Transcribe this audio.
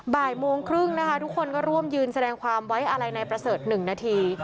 บ่ายโมงครึ่งนะคะทุกคนก็ร่วมยืนแสดงความไว้อะไรนายประเสริฐ๑นาที